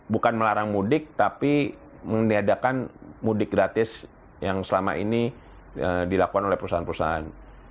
bukan melarang mudik tapi meniadakan mudik gratis yang selama ini dilakukan oleh perusahaan perusahaan